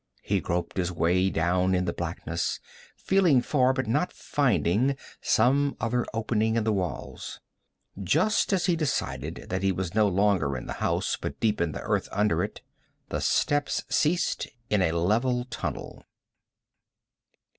He groped his way down in the blackness, feeling for, but not finding, some other opening in the walls. Just as he decided that he was no longer in the house, but deep in the earth under it, the steps ceased in a level tunnel.